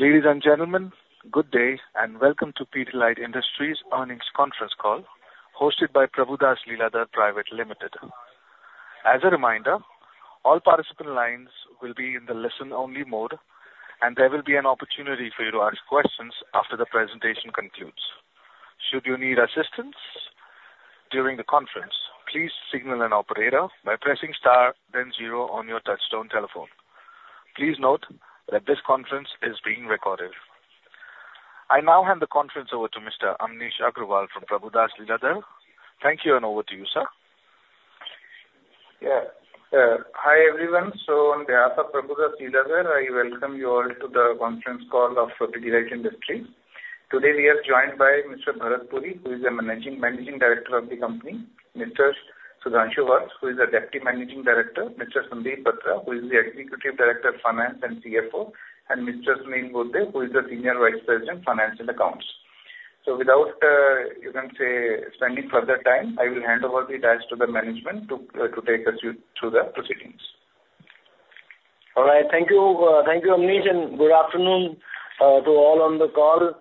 Ladies and gentlemen, good day, and welcome to Pidilite Industries Earnings Conference Call, hosted by Prabhudas Lilladher Private Limited. As a reminder, all participant lines will be in the listen-only mode, and there will be an opportunity for you to ask questions after the presentation concludes. Should you need assistance during the conference, please signal an operator by pressing *, then zero on your touchtone telephone. Please note that this conference is being recorded. I now hand the conference over to Mr. Amnish Aggarwal from Prabhudas Lilladher. Thank you, and over to you, sir. Yeah. Hi, everyone. So on behalf of Prabhudas Lilladher, I welcome you all to the conference call of Pidilite Industries. Today, we are joined by Mr. Bharat Puri, who is the Managing Director of the company; Mr. Sudhanshu Vats, who is Deputy Managing Director; Mr. Sandeep Batra, who is the Executive Director of Finance and CFO; and Mr. Sunil Burde, who is the Senior Vice President, Finance and Accounts. So without you can say spending further time, I will hand over the details to the management to take us through the proceedings. All right. Thank you, thank you, Amnish, and good afternoon, to all on the call.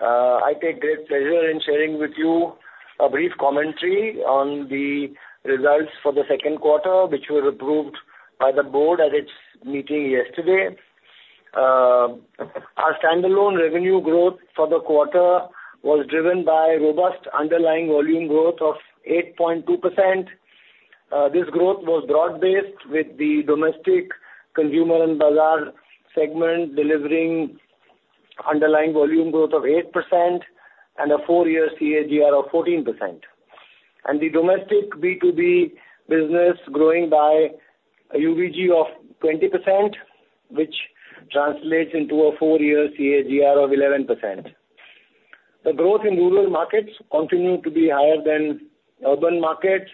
I take great pleasure in sharing with you a brief commentary on the results for the second quarter, which were approved by the board at its meeting yesterday. Our standalone revenue growth for the quarter was driven by robust underlying volume growth of 8.2%. This growth was broad-based, with the domestic consumer and bazaar segment delivering underlying volume growth of 8% and a four-year CAGR of 14%. And the domestic B2B business growing by a UVG of 20%, which translates into a four-year CAGR of 11%. The growth in rural markets continued to be higher than urban markets.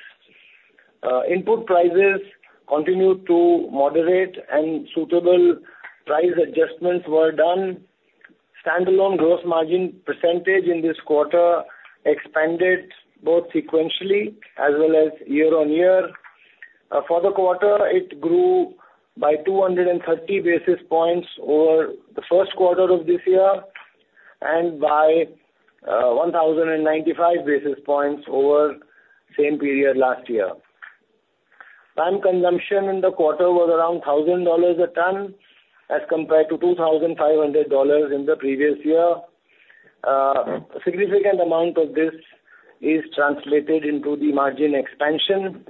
Input prices continued to moderate, and suitable price adjustments were done. Standalone gross margin percentage in this quarter expanded both sequentially as well as year-on-year. For the quarter, it grew by 230 basis points over the first quarter of this year and by 1,095 basis points over same period last year. VAM consumption in the quarter was around $1,000 a ton, as compared to $2,500 in the previous year. A significant amount of this is translated into the margin expansion.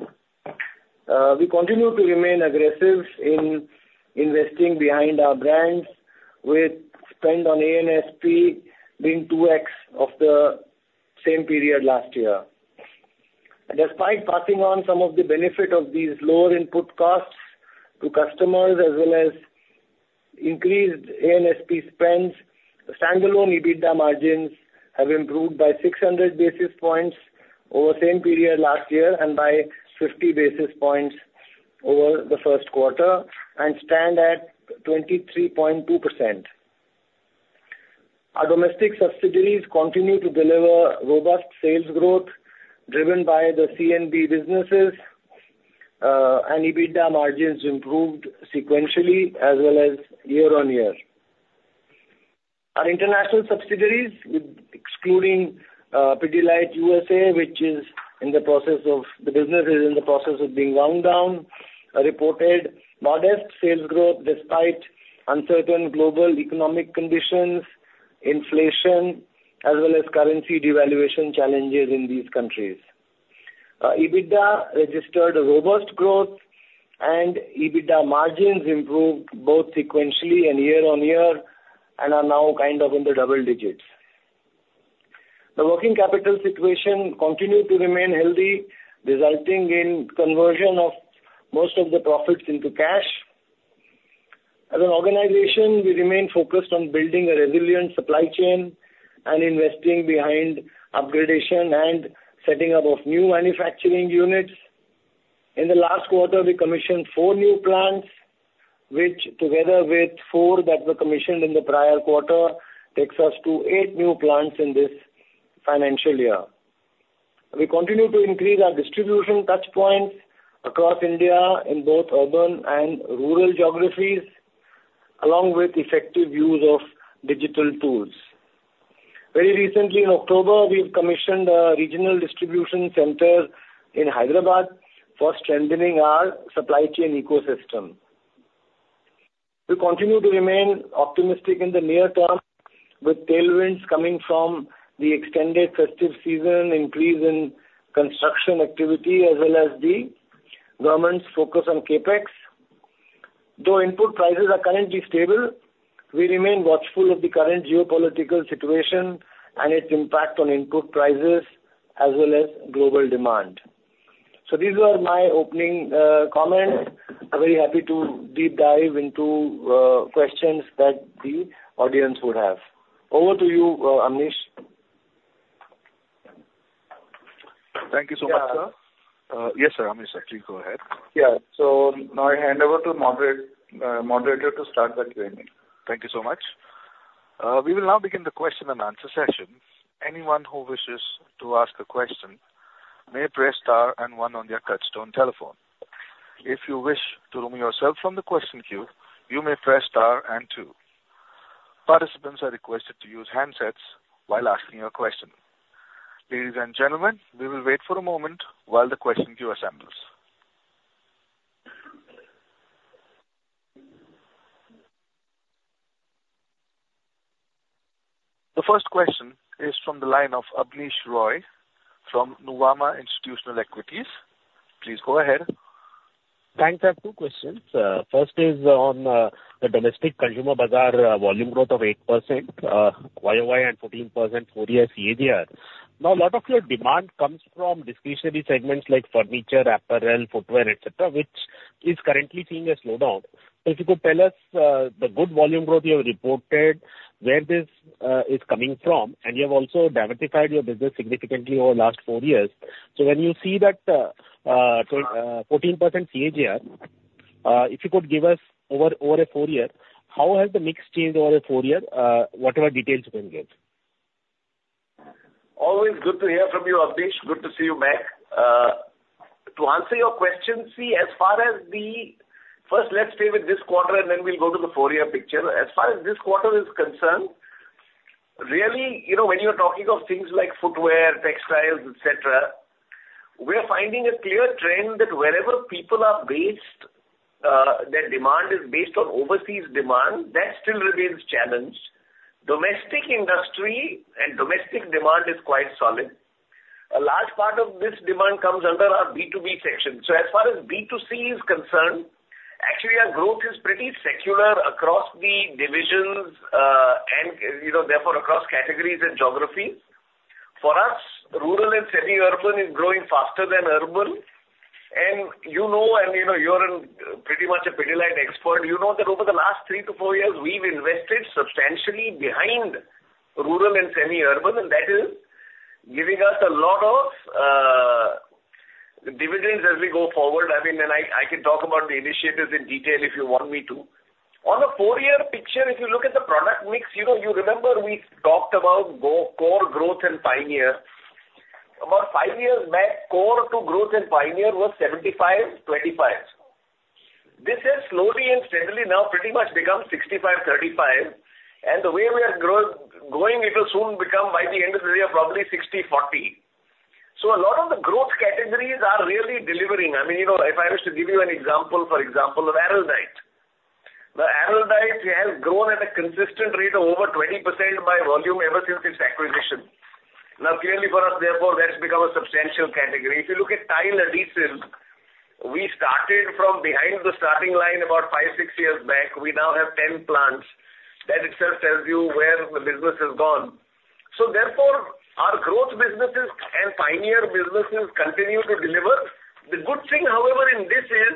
We continue to remain aggressive in investing behind our brands, with spend on A&SP being 2x of the same period last year. Despite passing on some of the benefit of these lower input costs to customers, as well as increased A&SP spends, the standalone EBITDA margins have improved by 600 basis points over same period last year and by 50 basis points over the first quarter and stand at 23.2%. Our domestic subsidiaries continue to deliver robust sales growth, driven by the C&B businesses, and EBITDA margins improved sequentially as well as year-on-year. Our international subsidiaries, with excluding, Pidilite USA, which is in the process of... the business is in the process of being wound down, reported modest sales growth despite uncertain global economic conditions, inflation, as well as currency devaluation challenges in these countries. EBITDA registered a robust growth, and EBITDA margins improved both sequentially and year-on-year and are now kind of in the double digits. The working capital situation continued to remain healthy, resulting in conversion of most of the profits into cash. As an organization, we remain focused on building a resilient supply chain and investing behind upgradation and setting up of new manufacturing units. In the last quarter, we commissioned 4 new plants, which, together with 4 that were commissioned in the prior quarter, takes us to 8 new plants in this financial year. We continue to increase our distribution touchpoints across India in both urban and rural geographies, along with effective use of digital tools. Very recently, in October, we've commissioned a regional distribution center in Hyderabad for strengthening our supply chain ecosystem. We continue to remain optimistic in the near term, with tailwinds coming from the extended festive season, increase in construction activity, as well as the government's focus on CapEx. Though input prices are currently stable, we remain watchful of the current geopolitical situation and its impact on input prices, as well as global demand. These were my opening comments. I'm very happy to deep dive into questions that the audience would have. Over to you, Amnish. Thank you so much, sir. Yeah. Yes, sir, Amnish, please go ahead. Yeah. Now I hand over to moderator to start the Q&A. Thank you so much! We will now begin the question and answer session. Anyone who wishes to ask a question may press * and one on their touchtone telephone. If you wish to remove yourself from the question queue, you may press * and two. Participants are requested to use handsets while asking your question. Ladies and gentlemen, we will wait for a moment while the question queue assembles. The first question is from the line of Abneesh Roy from Nuvama Institutional Equities. Please go ahead. Thanks. I have two questions. First is on the domestic consumer business volume growth of 8% YOY and 14% four-year CAGR. Now, a lot of your demand comes from discretionary segments like furniture, apparel, footwear, et cetera, which is currently seeing a slowdown. So if you could tell us the good volume growth you have reported, where this is coming from, and you have also diversified your business significantly over the last four years. So when you see that 14% CAGR, if you could give us, over a four year, how has the mix changed over a four year? Whatever details you can give. Always good to hear from you, Abneesh. Good to see you back. To answer your question, see, as far as the... First, let's stay with this quarter, and then we'll go to the four-year picture. As far as this quarter is concerned, really, you know, when you're talking of things like footwear, textiles, et cetera, we are finding a clear trend that wherever people are based, their demand is based on overseas demand, that still remains challenged. Domestic industry and domestic demand is quite solid. A large part of this demand comes under our B2B section. So as far as B2C is concerned, actually, our growth is pretty secular across the divisions, and, you know, therefore, across categories and geography. For us, rural and semi-urban is growing faster than urban. And you know, and, you know, you're pretty much a Pidilite expert. You know that over the last three to four years, we've invested substantially behind rural and semi-urban, and that is giving us a lot of dividends as we go forward. I mean, I can talk about the initiatives in detail if you want me to. On the four-year picture, if you look at the product mix, you know, you remember we talked about core growth and pioneer. About five years back, core to growth in pioneer was 75, 25. This has slowly and steadily now pretty much become 65, 35, and the way we are growing, it will soon become, by the end of the year, probably 60, 40. So a lot of the growth categories are really delivering. I mean, you know, if I was to give you an example, for example, of Araldite. The Araldite has grown at a consistent rate of over 20% by volume ever since its acquisition. Now, clearly for us, therefore, that's become a substantial category. If you look at tile adhesives, we started from behind the starting line about 5-6 years back. We now have 10 plants. That itself tells you where the business has gone. So therefore, our growth businesses and pioneer businesses continue to deliver. The good thing, however, in this is,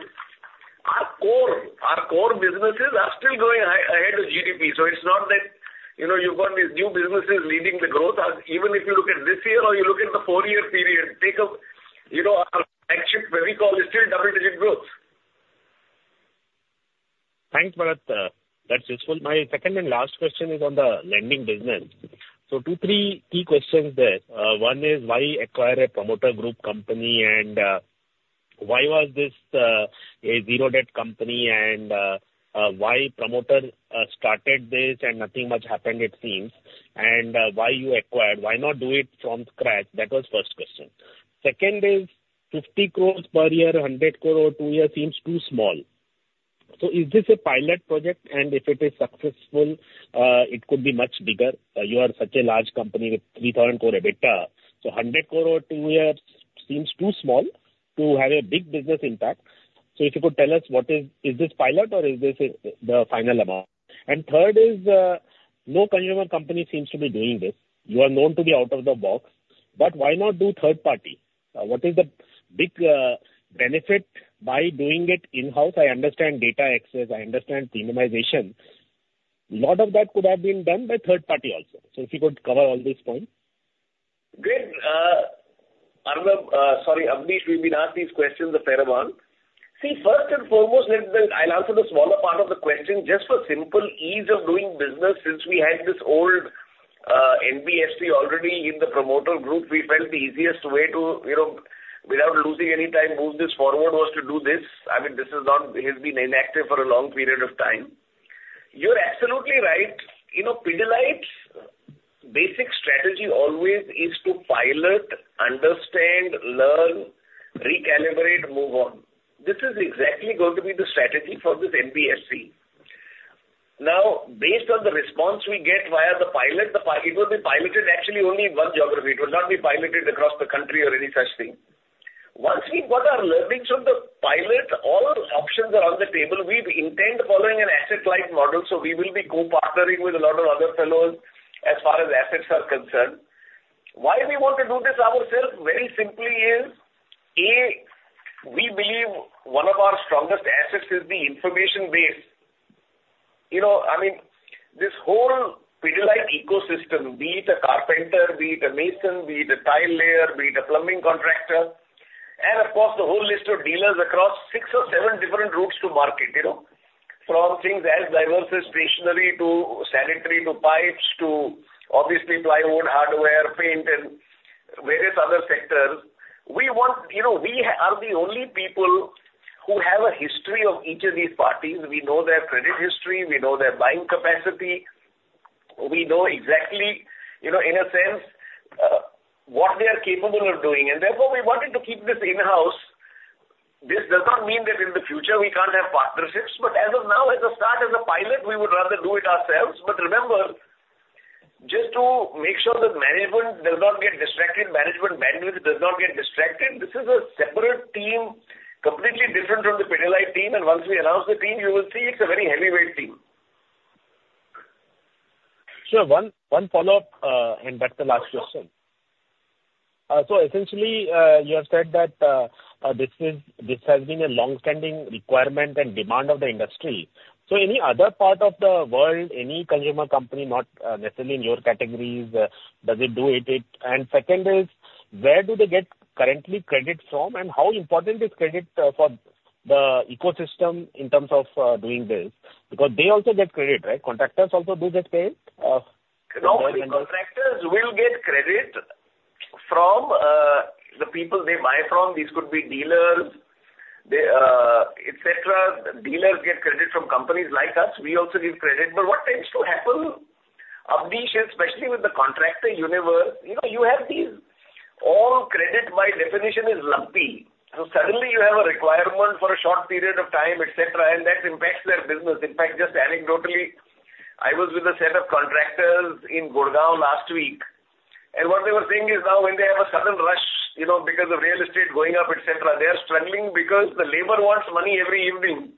our core, our core businesses are still growing ahead of GDP. So it's not that, you know, you've got these new businesses leading the growth. Even if you look at this year or you look at the 4-year period, take a, you know, our action, where we call it, still double-digit growth. Thanks, Bharat. That's useful. My second and last question is on the lending business. So 2-3 key questions there. One is, why acquire a promoter group company, and why was this a zero-debt company? And why promoter started this and nothing much happened, it seems. And why you acquired? Why not do it from scratch? That was first question. Second is, 50 crore per year, 100 crore two year, seems too small. So is this a pilot project, and if it is successful, it could be much bigger? You are such a large company with 3,000 crore EBITDA, so 100 crore two years seems too small to have a big business impact. So if you could tell us, what is... Is this pilot or is this the final amount? And third is, no consumer company seems to be doing this. You are known to be out of the box, but why not do third party? What is the big benefit by doing it in-house? I understand data access. I understand premiumization. A lot of that could have been done by third party also. So if you could cover all these points. Great, Arnab, sorry, Abneesh, we've been asked these questions a fair amount. See, first and foremost, let me. I'll answer the smaller part of the question just for simple ease of doing business. Since we had this old NBFC already in the promoter group, we felt the easiest way to, you know, without losing any time, move this forward, was to do this. I mean, this is not, has been inactive for a long period of time. You're absolutely right. You know, Pidilite's basic strategy always is to pilot, understand, learn, recalibrate, move on. This is exactly going to be the strategy for this NBFC. Now, based on the response we get via the pilot, the pilot, it will be piloted actually only one geography. It will not be piloted across the country or any such thing. Once we've got our learnings from the pilot, all options are on the table. We intend following an asset-light model, so we will be co-partnering with a lot of other fellows as far as assets are concerned. Why we want to do this ourselves? Very simply is, A, we believe one of our strongest assets is the information base. You know, I mean, this whole Pidilite ecosystem, be it a carpenter, be it a mason, be it a tile layer, be it a plumbing contractor... and of course, the whole list of dealers across six or seven different routes to market, you know, from things as diverse as stationery to sanitary, to pipes, to obviously plywood, hardware, paint, and various other sectors. We want, you know, we are the only people who have a history of each of these parties. We know their credit history, we know their buying capacity, we know exactly, you know, in a sense, what they are capable of doing, and therefore, we wanted to keep this in-house. This does not mean that in the future we can't have partnerships, but as of now, as a start, as a pilot, we would rather do it ourselves. But remember, just to make sure that management does not get distracted, management bandwidth does not get distracted, this is a separate team, completely different from the Pidilite team, and once we announce the team, you will see it's a very heavyweight team. Sure. One, one follow-up, and that's the last question. So essentially, you have said that, this is- this has been a long-standing requirement and demand of the industry. So any other part of the world, any consumer company, not necessarily in your categories, does it do it? And second is, where do they get currently credit from, and how important is credit, for the ecosystem in terms of, doing this? Because they also get credit, right? Contractors also do get paid. No, the contractors will get credit from the people they buy from. These could be dealers, they, et cetera. Dealers get credit from companies like us. We also give credit. But what tends to happen, Abhi, especially with the contractor universe, you know, you have these all credit by definition is lumpy. So suddenly you have a requirement for a short period of time, et cetera, and that impacts their business. In fact, just anecdotally, I was with a set of contractors in Gurgaon last week, and what they were saying is now when they have a sudden rush, you know, because of real estate going up, et cetera, they are struggling because the labor wants money every evening,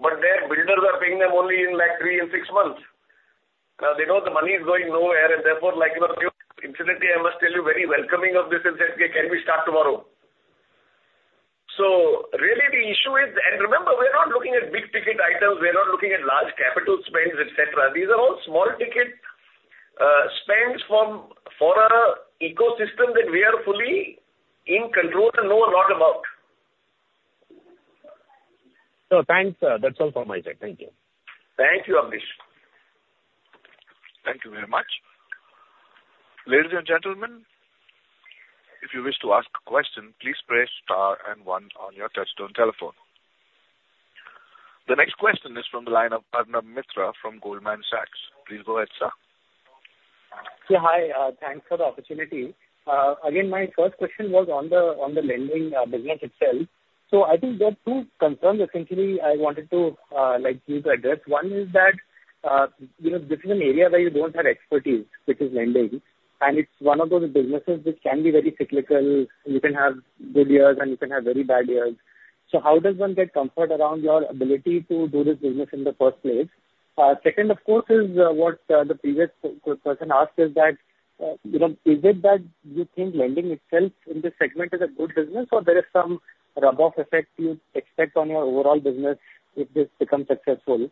but their builders are paying them only in, like, three and six months. They know the money is going nowhere, and therefore, like, you know, infinitely, I must tell you, very welcoming of this and said, "Can we start tomorrow?" So really, the issue is... and remember, we're not looking at big-ticket items, we're not looking at large capital spends, et cetera. These are all small-ticket spends for a ecosystem that we are fully in control and know a lot about. Thanks, sir. That's all from my side. Thank you. Thank you, Abhi. Thank you very much. Ladies and gentlemen, if you wish to ask a question, please press star and one on your touchtone telephone. The next question is from the line of Arnab Mitra from Goldman Sachs. Please go ahead, sir. Yeah, hi, thanks for the opportunity. Again, my first question was on the lending business itself. So I think there are two concerns essentially I wanted to, like you to address. One is that, you know, this is an area where you don't have expertise, which is lending, and it's one of those businesses which can be very cyclical. You can have good years, and you can have very bad years. So how does one get comfort around your ability to do this business in the first place? Second, of course, is what the previous person asked is that, you know, is it that you think lending itself in this segment is a good business, or there is some rub-off effect you expect on your overall business if this becomes successful?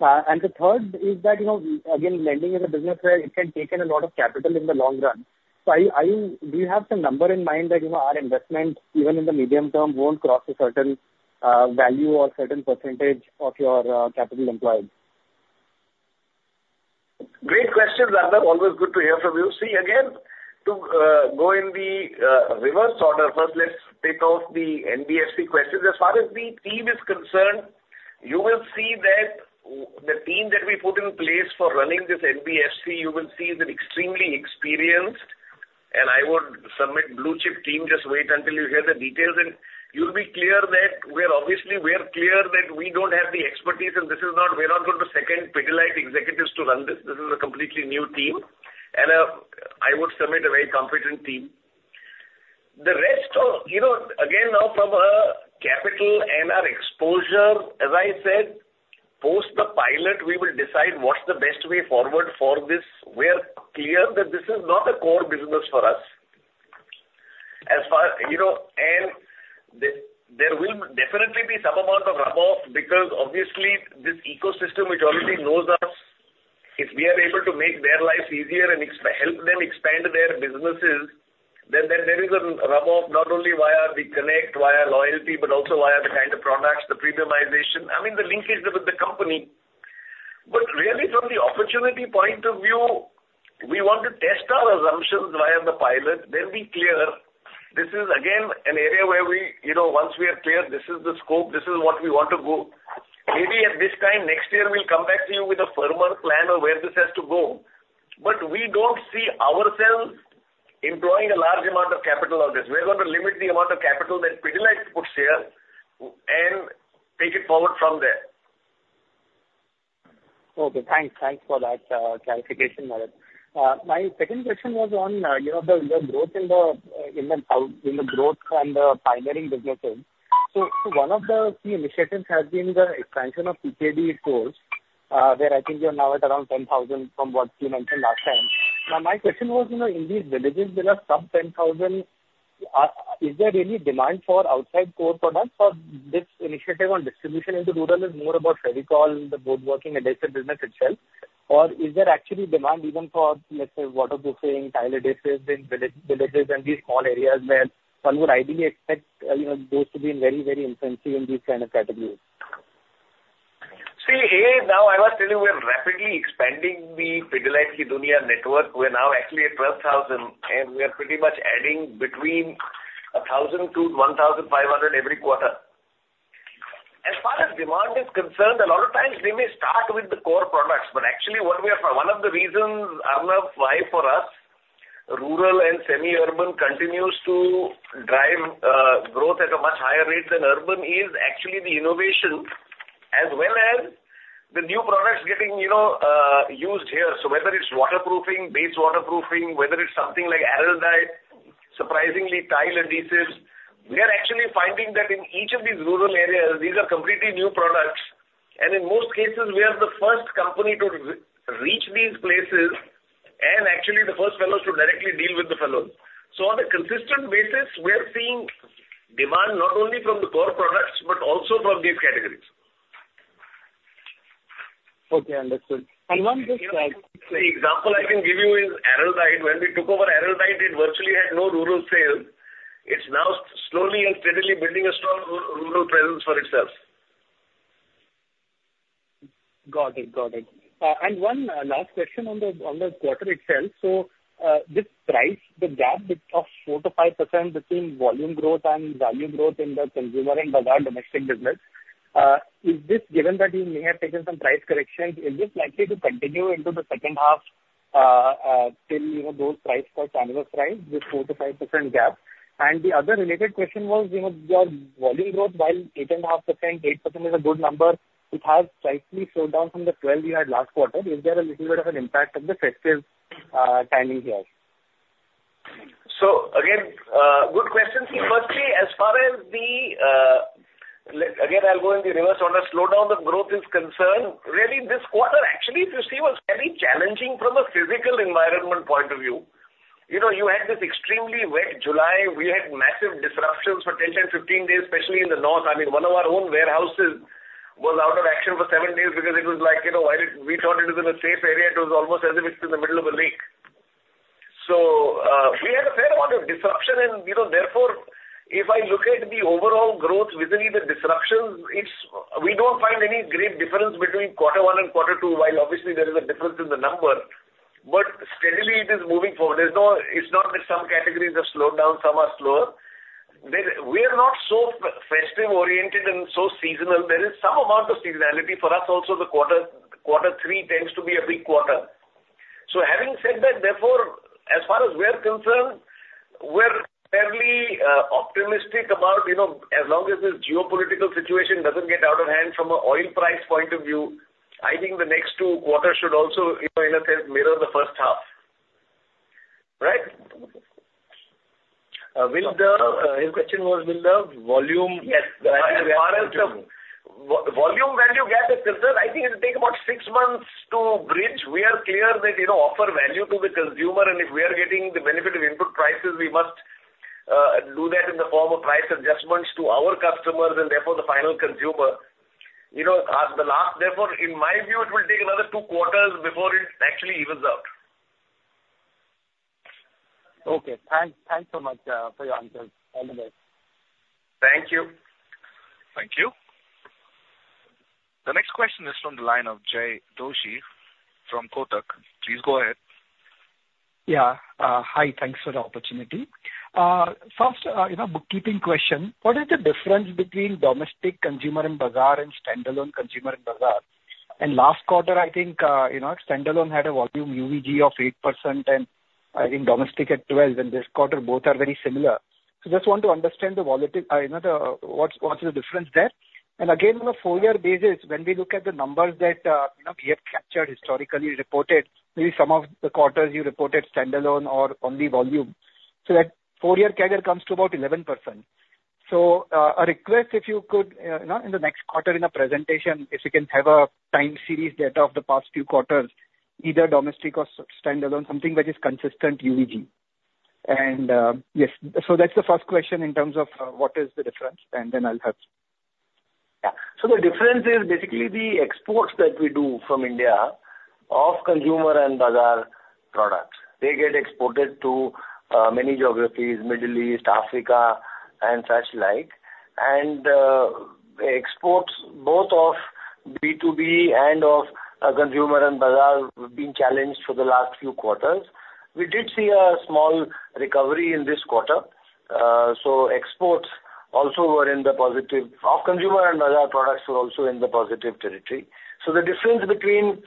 And the third is that, you know, again, lending is a business where it can take in a lot of capital in the long run. So are you, do you have some number in mind that, you know, our investment, even in the medium term, won't cross a certain value or certain percentage of your capital employed? Great questions, Arnab! Always good to hear from you. See, again, to go in the reverse order, first, let's take off the NBFC questions. As far as the team is concerned, you will see that the team that we put in place for running this NBFC, you will see is an extremely experienced, and I would submit blue chip team. Just wait until you hear the details, and you'll be clear that we're obviously, we are clear that we don't have the expertise, and this is not- we're not going to second Pidilite executives to run this. This is a completely new team, and I would submit a very competent team. The rest of you know, again, now, from a capital and our exposure, as I said, post the pilot, we will decide what's the best way forward for this. We are clear that this is not a core business for us. You know, there will definitely be some amount of rub-off because obviously this ecosystem, which already knows us, if we are able to make their lives easier and help them expand their businesses, then there is a rub-off, not only via the connect, via loyalty, but also via the kind of products, the premiumization, I mean, the linkages with the company. But really, from the opportunity point of view, we want to test our assumptions via the pilot, then be clear. This is again, an area where we, you know, once we are clear, this is the scope, this is what we want to go. Maybe at this time next year, we'll come back to you with a firmer plan on where this has to go. We don't see ourselves employing a large amount of capital on this. We're going to limit the amount of capital that Pidilite puts here and take it forward from there. Okay, thanks. Thanks for that clarification, Bharat. My second question was on, you know, the growth in the growth and the pioneering businesses. So, one of the key initiatives has been the expansion of PKD stores, where I think you're now at around 10,000 from what you mentioned last time. Now, my question was, you know, in these villages, there are some 10,000, is there any demand for outside core products or this initiative on distribution into rural is more about Fevicol, the woodworking adhesive business itself? Or is there actually demand even for, let's say, waterproofing, tile adhesives in villages, and these small areas where one would ideally expect, you know, those to be in very, very infancy in these kind of categories? See, Arnab, now I was telling you, we are rapidly expanding the Pidilite Ki Duniya network. We're now actually at 12,000, and we are pretty much adding between 1,000-1,500 every quarter. As far as demand is concerned, a lot of times we may start with the core products, but actually, what we are one of the reasons, Arnab, why for us, rural and semi-urban continues to drive growth at a much higher rate than urban, is actually the innovation, as well as the new products getting, you know, used here. So whether it's waterproofing, base waterproofing, whether it's something like Araldite, surprisingly, tile adhesives, we are actually finding that in each of these rural areas, these are completely new products, and in most cases, we are the first company to reach these places, and actually the first fellows to directly deal with the fellows. So on a consistent basis, we are seeing demand not only from the core products, but also from these categories. Okay, understood. And one just like- The example I can give you is Araldite. When we took over Araldite, it virtually had no rural sales. It's now slowly and steadily building a strong rural presence for itself. Got it. Got it. And one last question on the quarter itself. So, this price, the gap of 4%-5% between volume growth and value growth in the consumer and Bazaar domestic business, is this given that you may have taken some price corrections, is this likely to continue into the second half, till, you know, those price for calendar price, this 4%-5% gap? And the other related question was, you know, your volume growth, while 8.5%, 8% is a good number, it has slightly slowed down from the 12 you had last quarter. Is there a little bit of an impact of the festive timing here? So again, good question. See, firstly, as far as the slowdown, the growth is concerned, really this quarter actually, if you see, was very challenging from a physical environment point of view. You know, you had this extremely wet July. We had massive disruptions for 10, 10, 15 days, especially in the north. I mean, one of our own warehouses was out of action for 7 days because it was like, you know, I did... We thought it was in a safe area. It was almost as if it's in the middle of a lake. So, we had a fair amount of disruption and, you know, therefore, if I look at the overall growth within the disruptions, it's we don't find any great difference between quarter one and quarter two, while obviously there is a difference in the number, but steadily it is moving forward. There's no. It's not that some categories have slowed down, some are slower. We are not so festive-oriented and so seasonal. There is some amount of seasonality for us. Also, the quarter, quarter three tends to be a big quarter. So having said that, therefore, as far as we're concerned, we're fairly optimistic about, you know, as long as the geopolitical situation doesn't get out of hand from an oil price point of view, I think the next two quarters should also, you know, in a sense, mirror the first half. Right? His question was, will the volume- Yes, as far as the volume, value gap is concerned, I think it'll take about six months to bridge. We are clear that, you know, offer value to the consumer, and if we are getting the benefit of input prices, we must do that in the form of price adjustments to our customers and therefore the final consumer. You know, at the last therefore, in my view, it will take another two quarters before it actually evens out. Okay, thanks. Thanks so much for your answers. All the best. Thank you. Thank you. The next question is from the line of Jay Doshi from Kotak. Please go ahead. Yeah. Hi, thanks for the opportunity. First, you know, bookkeeping question: What is the difference between domestic consumer and Bazaar and standalone consumer and Bazaar? And last quarter, I think, you know, standalone had a volume UVG of 8%, and I think domestic at 12%, and this quarter, both are very similar. So just want to understand the volatility, you know, what's, what is the difference there? And again, on a four-year basis, when we look at the numbers that, you know, we have captured historically reported, maybe some of the quarters you reported standalone or only volume, so that four-year CAGR comes to about 11%. So, a request, if you could, you know, in the next quarter in a presentation, if you can have a time series data of the past few quarters, either domestic or standalone, something that is consistent UVG. And, yes, so that's the first question in terms of, what is the difference, and then I'll touch. Yeah. So the difference is basically the exports that we do from India of consumer and Bazaar products. They get exported to many geographies, Middle East, Africa, and such like, and exports both of B2B and of consumer and Bazaar have been challenged for the last few quarters. We did see a small recovery in this quarter. So exports also were in the positive. Of consumer and Bazaar products were also in the positive territory. So the difference between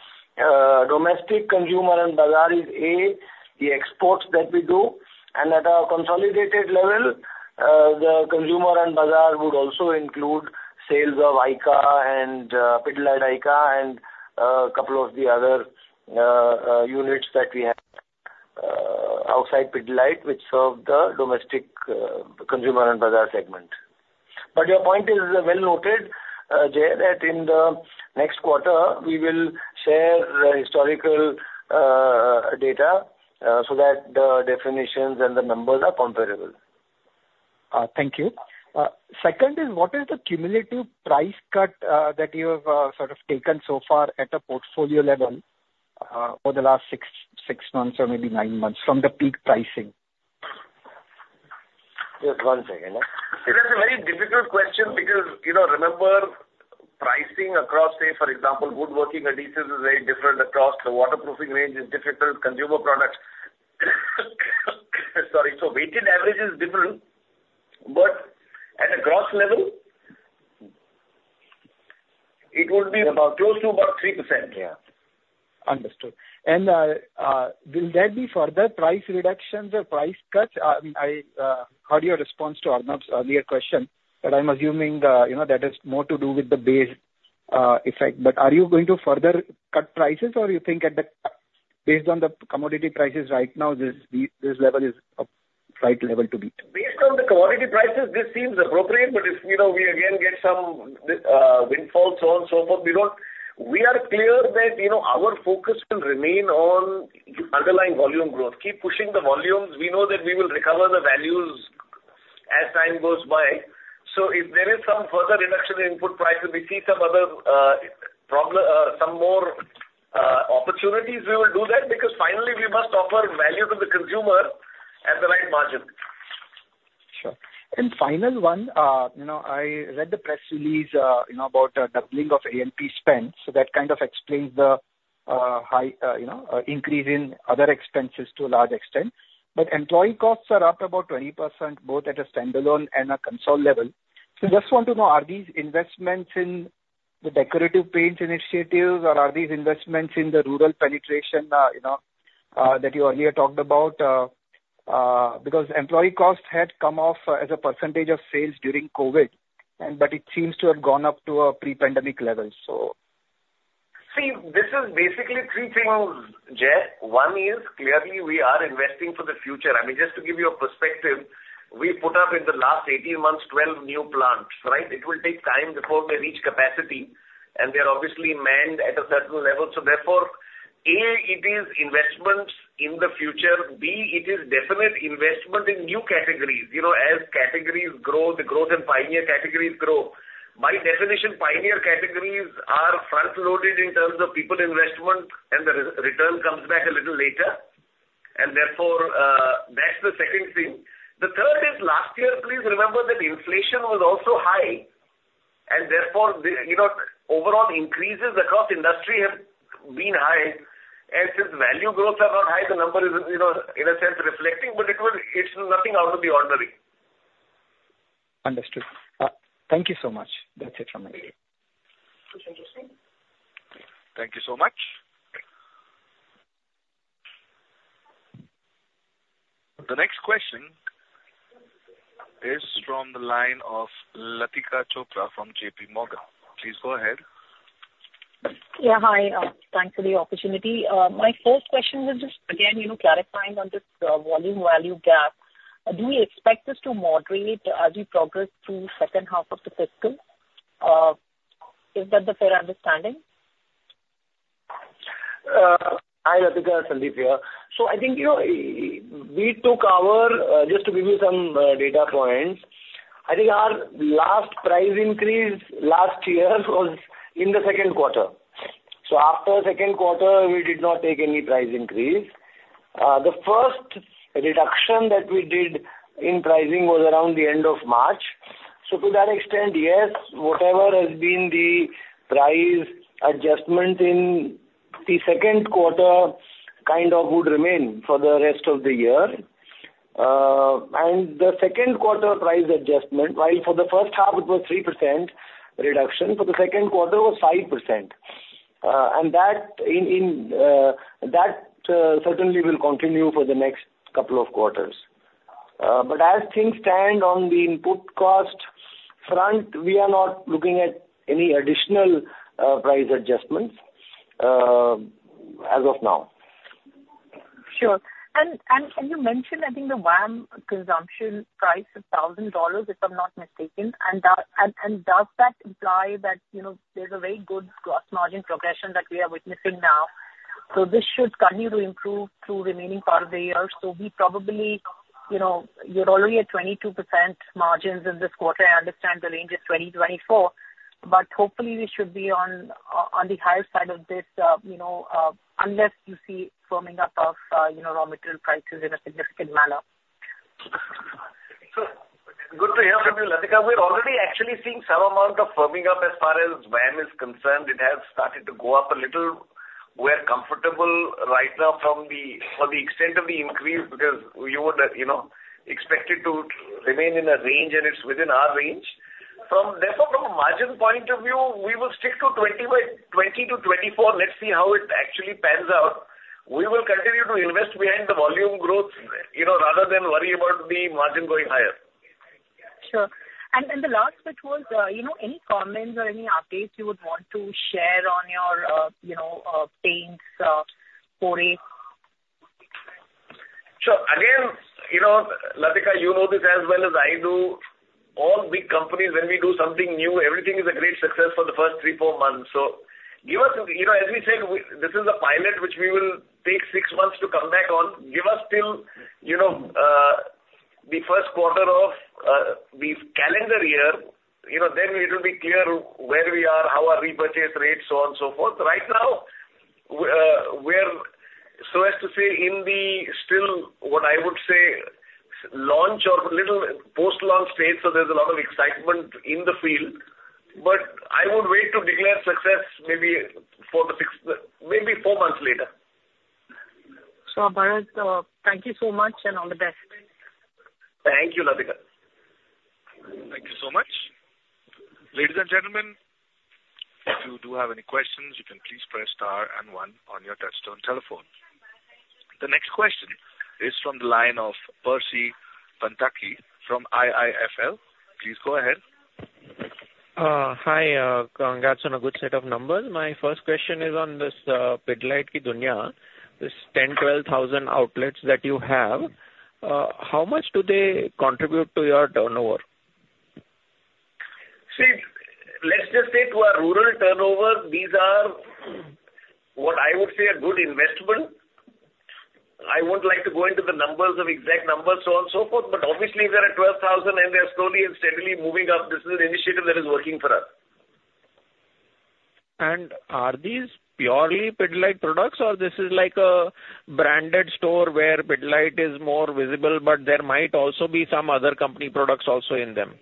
domestic consumer and Bazaar is, A, the exports that we do, and at a consolidated level, the consumer and Bazaar would also include sales of ICA Pidilite and a couple of the other units that we have outside Pidilite, which serve the domestic consumer and Bazaar segment. But your point is well noted, Jay, that in the next quarter, we will share the historical data, so that the definitions and the numbers are comparable. Thank you. Second is, what is the cumulative price cut that you have sort of taken so far at a portfolio level, over the last 6 months or maybe 9 months from the peak pricing? Just one second. It is a very difficult question because, you know, remember pricing across, say, for example, woodworking adhesives is very different across the waterproofing range, is different, consumer products. Sorry. So weighted average is different, but at a gross level, it would be about close to about 3%. Yeah. Understood. And, will there be further price reductions or price cuts? I heard your response to Arnab's earlier question, but I'm assuming the, you know, that has more to do with the base, effect. But are you going to further cut prices or you think at the, based on the commodity prices right now, this, the, this level is a right level to be? Based on the commodity prices, this seems appropriate, but if, you know, we again get some windfalls, so on and so forth, we don't... We are clear that, you know, our focus will remain on underlying volume growth. Keep pushing the volumes, we know that we will recover the values as time goes by. So if there is some further reduction in input prices, we see some other, some more opportunities, we will do that, because finally we must offer value to the consumer at the right margin. Sure. And final one, you know, I read the press release, you know, about the doubling of A&SP spend, so that kind of explains the high, you know, increase in other expenses to a large extent. But employee costs are up about 20%, both at a standalone and a consolidated level. So just want to know, are these investments in the decorative paints initiatives, or are these investments in the rural penetration, you know, that you earlier talked about? Because employee costs had come off as a percentage of sales during COVID, and but it seems to have gone up to a pre-pandemic level, so. See, this is basically three things, Jay. One is clearly we are investing for the future. I mean, just to give you a perspective, we put up in the last 18 months, 12 new plants, right? It will take time before they reach capacity, and they are obviously manned at a certain level. So therefore, A, it is investments in the future. B, it is definite investment in new categories. You know, as categories grow, the growth in pioneer categories grow. By definition, pioneer categories are front-loaded in terms of people investment, and the re-return comes back a little later, and therefore, that's the second thing. The third is, last year, please remember that inflation was also high, and therefore, the, you know, overall increases across industry have been high. Since value growths are not high, the number is, you know, in a sense reflecting, but it was. It's nothing out of the ordinary. Understood. Thank you so much. That's it from my end. Thank you so much. The next question is from the line of Latika Chopra from JPMorgan. Please go ahead. Yeah, hi. Thanks for the opportunity. My first question is just again, you know, clarifying on this, volume value gap. Do you expect this to moderate as we progress through second half of the fiscal? Is that the fair understanding? Hi, Latika, Sandeep here. So I think, you know, we took our just to give you some data points, I think our last price increase last year was in the second quarter. So after second quarter, we did not take any price increase. The first reduction that we did in pricing was around the end of March. So to that extent, yes, whatever has been the price adjustment in the second quarter, kind of would remain for the rest of the year. And the second quarter price adjustment, while for the first half it was 3% reduction, for the second quarter was 5%. And that in, in that certainly will continue for the next couple of quarters. But as things stand on the input cost front, we are not looking at any additional price adjustments, as of now. Sure. And can you mention, I think, the VAM consumption price is $1,000, if I'm not mistaken. And does that imply that, you know, there's a very good gross margin progression that we are witnessing now? So this should continue to improve through remaining part of the year. So we probably, you know, you're already at 22% margins in this quarter. I understand the range is 20%-24%, but hopefully we should be on the higher side of this, you know, unless you see firming up of raw material prices in a significant manner. So good to hear from you, Latika. We're already actually seeing some amount of firming up as far as VAM is concerned. It has started to go up a little. We're comfortable right now from the extent of the increase, because you would, you know, expect it to remain in a range, and it's within our range. Therefore, from a margin point of view, we will stick to 20%-24%. Let's see how it actually pans out. We will continue to invest behind the volume growth, you know, rather than worry about the margin going higher. Sure. The last bit was, you know, any comments or any updates you would want to share on your, you know, paints, port-... Sure. Again, you know, Latika, you know this as well as I do, all big companies, when we do something new, everything is a great success for the first 3-4 months. So give us, you know, as we said, we, this is a pilot, which we will take 6 months to come back on. Give us till, you know, the first quarter of the calendar year, you know, then it will be clear where we are, how our repurchase rates, so on, so forth. Right now, we're, so as to say, still in what I would say, launch or little post-launch stage, so there's a lot of excitement in the field. But I would wait to declare success maybe for the 6, maybe 4 months later. Sure, Bharat, thank you so much and all the best. Thank you, Latika. Thank you so much. Ladies and gentlemen, if you do have any questions, you can please press * and one on your touchtone telephone. The next question is from the line of Percy Panthaki from IIFL. Please go ahead. Hi, congrats on a good set of numbers. My first question is on this Pidilite Ki Duniya, this 10-12,000 outlets that you have, how much do they contribute to your turnover? See, let's just say to our rural turnover, these are, what I would say, a good investment. I won't like to go into the numbers of exact numbers, so on, so forth, but obviously they're at 12,000, and they're slowly and steadily moving up. This is an initiative that is working for us. Are these purely Pidilite products, or this is like a branded store where Pidilite is more visible, but there might also be some other company products also in them?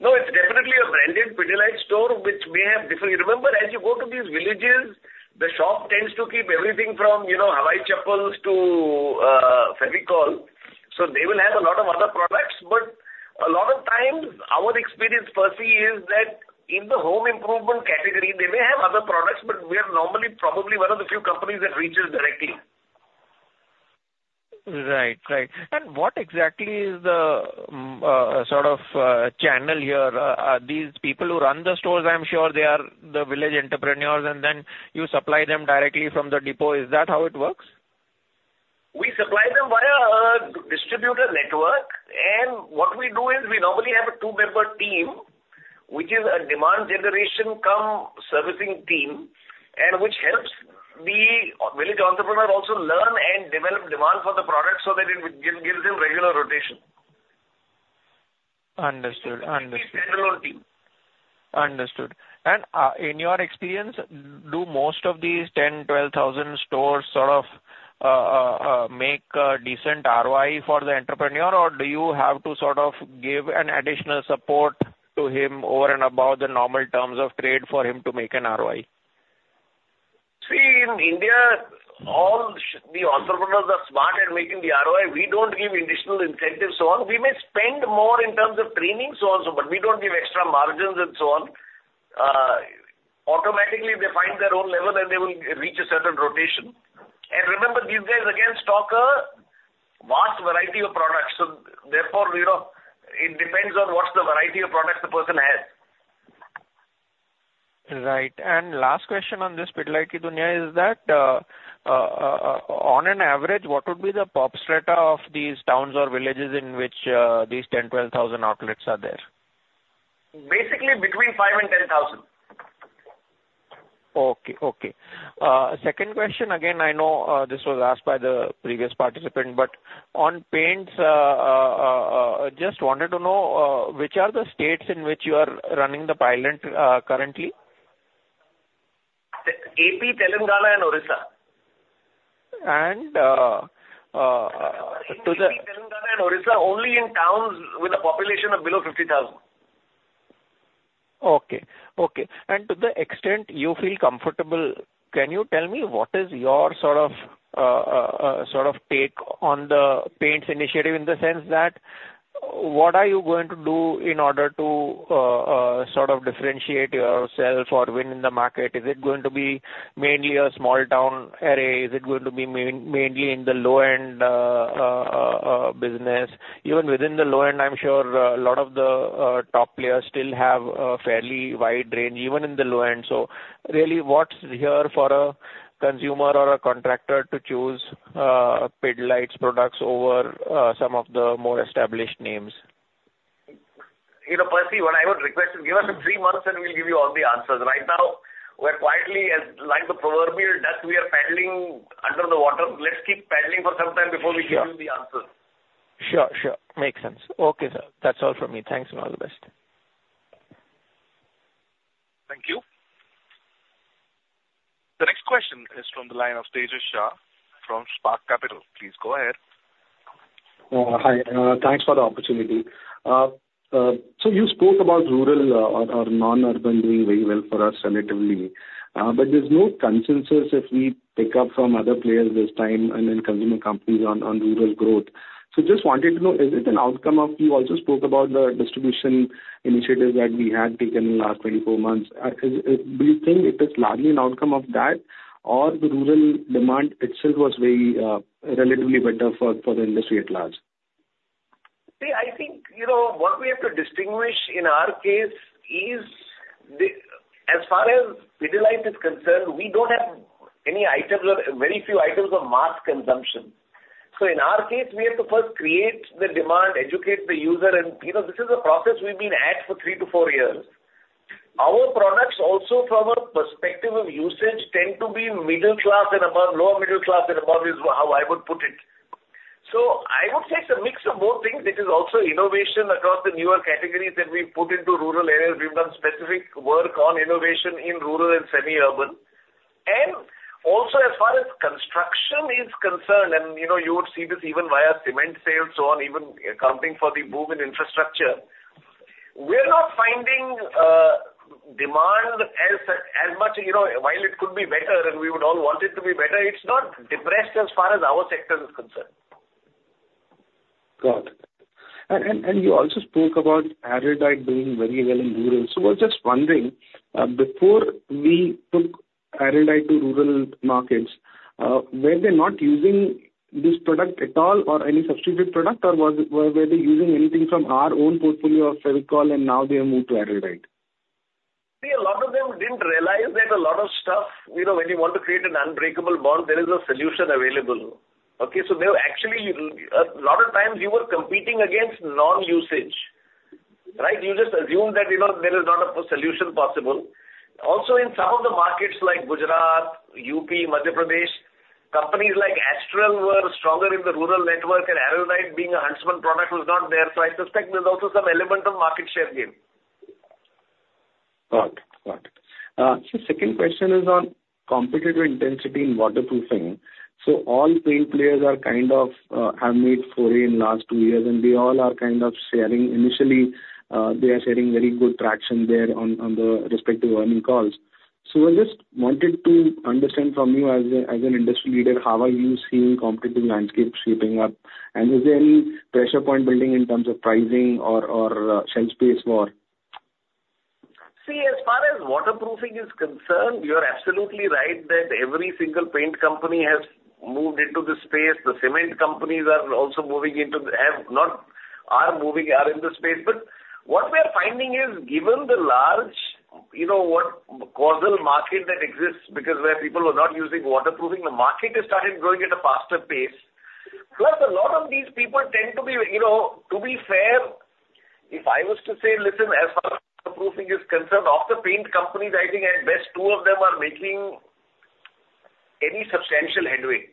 No, it's definitely a branded Pidilite store, which may have different... You remember, as you go to these villages, the shop tends to keep everything from, you know, Hawaii chappals to Fevicol. So they will have a lot of other products, but a lot of times our experience, Percy, is that in the home improvement category, they may have other products, but we are normally probably one of the few companies that reaches directly. Right. Right. And what exactly is the sort of channel here? Are these people who run the stores, I'm sure they are the village entrepreneurs, and then you supply them directly from the depot. Is that how it works? We supply them via a distributor network, and what we do is, we normally have a 2-member team, which is a demand generation cum servicing team, and which helps the village entrepreneur also learn and develop demand for the product so that it gives them regular rotation. Understood. Understood. General team. Understood. And, in your experience, do most of these 10-12,000 stores sort of make a decent ROI for the entrepreneur? Or do you have to sort of give an additional support to him over and above the normal terms of trade for him to make an ROI? See, in India, all the entrepreneurs are smart at making the ROI. We don't give additional incentives, so on. We may spend more in terms of training, so on, so, but we don't give extra margins and so on. Automatically, they find their own level, and they will reach a certain rotation. And remember, these guys, again, stock a vast variety of products, so therefore, you know, it depends on what's the variety of products the person has. Right. And last question on this Pidilite Ki Duniya is that, on an average, what would be the pop strata of these towns or villages in which these 10-12,000 outlets are there? Basically, between 5,000 and 10,000. Okay, okay. Second question, again, I know, this was asked by the previous participant, but on paints, just wanted to know, which are the states in which you are running the pilot, currently? AP, Telangana and Odisha. And, to the- Telangana and Odisha, only in towns with a population of below 50,000. Okay. Okay. To the extent you feel comfortable, can you tell me what is your sort of take on the paints initiative, in the sense that, what are you going to do in order to sort of differentiate yourself or win in the market? Is it going to be mainly a small town array? Is it going to be mainly in the low-end business? Even within the low-end, I'm sure a lot of the top players still have a fairly wide range, even in the low-end. So really, what's here for a consumer or a contractor to choose Pidilite's products over some of the more established names? You know, Percy, what I would request is, give us three months, and we'll give you all the answers. Right now, we're quietly, as like the proverbial duck, we are paddling under the water. Let's keep paddling for some time before we give you the answers. Sure, sure. Makes sense. Okay, sir. That's all from me. Thanks, and all the best. Thank you. The next question is from the line of Tejas Shah from Spark Capital. Please go ahead. Hi, thanks for the opportunity. So you spoke about rural or non-urban doing very well for us relatively, but there's no consensus if we pick up from other players this time and then consumer companies on rural growth. So just wanted to know, is it an outcome of... You also spoke about the distribution initiatives that we had taken in the last 24 months. Do you think it is largely an outcome of that, or the rural demand itself was very relatively better for the industry at large?... See, I think, you know, what we have to distinguish in our case is, as far as Pidilite is concerned, we don't have any items or very few items of mass consumption. So in our case, we have to first create the demand, educate the user, and, you know, this is a process we've been at for 3-4 years. Our products also, from a perspective of usage, tend to be middle class and above, lower middle class and above, is how I would put it. So I would say it's a mix of both things. It is also innovation across the newer categories that we've put into rural areas. We've done specific work on innovation in rural and semi-urban. And also, as far as construction is concerned, and you know, you would see this even via cement sales, so on, even accounting for the boom in infrastructure, we're not finding demand as much, you know, while it could be better, and we would all want it to be better, it's not depressed as far as our sector is concerned. Got it. And you also spoke about Araldite doing very well in rural. So I was just wondering, before we took Araldite to rural markets, were they not using this product at all or any substitute product, or were they using anything from our own portfolio of Fevicol, and now they have moved to Araldite? See, a lot of them didn't realize that a lot of stuff, you know, when you want to create an unbreakable bond, there is a solution available. Okay, so they were actually, a lot of times, you were competing against non-usage, right? You just assume that, you know, there is not a solution possible. Also, in some of the markets like Gujarat, UP, Madhya Pradesh, companies like Astral were stronger in the rural network, and Araldite being a Huntsman product, was not there. So I suspect there's also some element of market share gain. Got it. Got it. So second question is on competitive intensity in waterproofing. So all paint players are kind of have made foray in last two years, and they all are kind of sharing initially, they are sharing very good traction there on, on the respective earnings calls. So I just wanted to understand from you as a, as an industry leader, how are you seeing competitive landscape shaping up? And is there any pressure point building in terms of pricing or, or, shelf space more? See, as far as waterproofing is concerned, you're absolutely right that every single paint company has moved into this space. The cement companies are also moving into the space. But what we are finding is, given the large, you know what, coastal market that exists, because where people were not using waterproofing, the market has started growing at a faster pace. Plus, a lot of these people tend to be, you know, to be fair, if I was to say, listen, as far as waterproofing is concerned, of the paint companies, I think at best two of them are making any substantial headway.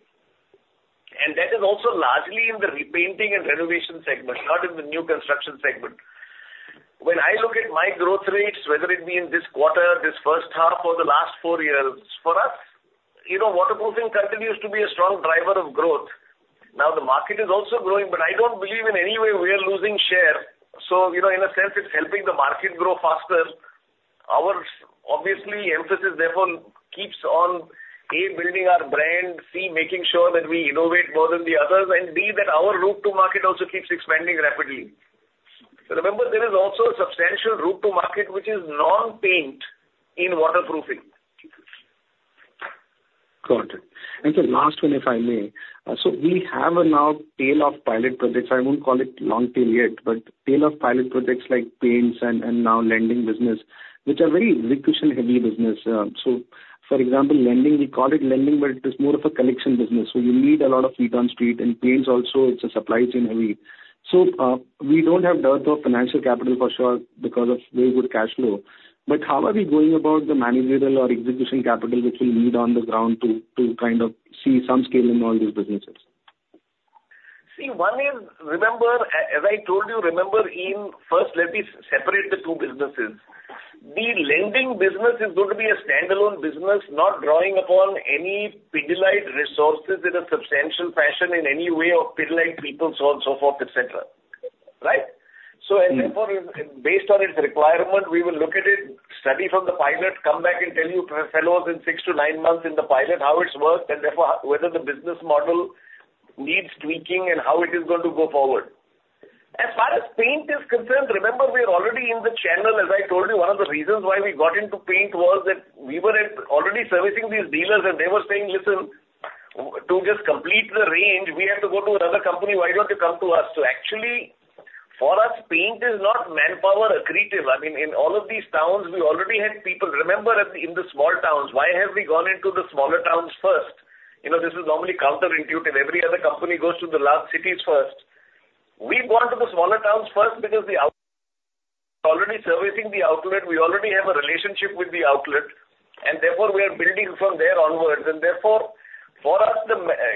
And that is also largely in the repainting and renovation segment, not in the new construction segment. When I look at my growth rates, whether it be in this quarter, this first half or the last four years, for us, you know, waterproofing continues to be a strong driver of growth. Now, the market is also growing, but I don't believe in any way we are losing share. So, you know, in a sense, it's helping the market grow faster. Our, obviously, emphasis, therefore, keeps on, A, building our brand, C, making sure that we innovate more than the others, and B, that our route to market also keeps expanding rapidly. Remember, there is also a substantial route to market, which is non-paint in waterproofing. Got it. And the last one, if I may. So we have a new tail of pilot projects. I won't call it long tail yet, but tail of pilot projects like paints and, and now lending business, which are very execution-heavy business. So for example, lending, we call it lending, but it is more of a collection business, so you need a lot of feet on street. And paints also, it's a supply chain-heavy. So, we don't have dearth of financial capital for sure because of very good cash flow. But how are we going about the managerial or execution capital, which we need on the ground to, to kind of see some scale in all these businesses? See, one is, remember, as I told you, remember, in... First, let me separate the two businesses. The lending business is going to be a standalone business, not drawing upon any Pidilite resources in a substantial fashion, in any way of Pidilite people, so on and so forth, et cetera. Right? Mm-hmm. So and therefore, based on its requirement, we will look at it, study from the pilot, come back and tell you, fellows, in 6-9 months in the pilot, how it's worked, and therefore, whether the business model needs tweaking and how it is going to go forward. As far as paint is concerned, remember, we are already in the channel. As I told you, one of the reasons why we got into paint was that we were already servicing these dealers, and they were saying, "Listen, to just complete the range, we have to go to another company. Why don't you come to us?" So actually, for us, paint is not manpower accretive. I mean, in all of these towns, we already had people. Remember, in the small towns, why have we gone into the smaller towns first? You know, this is normally counterintuitive. Every other company goes to the large cities first. We've gone to the smaller towns first because they're already servicing the outlet. We already have a relationship with the outlet, and therefore, we are building from there onwards. And therefore, for us,